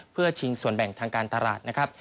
เพื่อชิงส่วนแบ่งทางการตลาดนะครับ